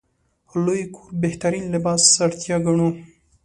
لوی کور بهترین لباس اړتیا ګڼو.